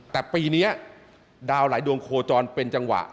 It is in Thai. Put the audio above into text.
แต่ปีนี้ดาวหลายดวงโคจรเป็นจังหวะ